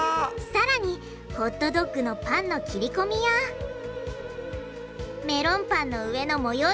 さらにホットドッグのパンの切り込みやメロンパンの上の模様